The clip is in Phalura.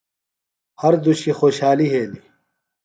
ہر دُشی خوۡشحالیۡ یھیلیۡ۔